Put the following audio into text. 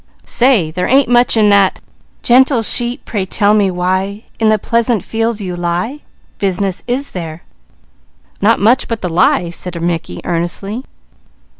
Say, there ain't much in that 'Gentle sheep pray tell me why, In the pleasant fields you lie?' business, is there?" "Not much but the lie," said Mickey earnestly.